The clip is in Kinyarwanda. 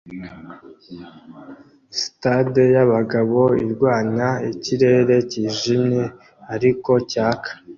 Sitades yabagabo irwanya ikirere cyijimye ariko cyaka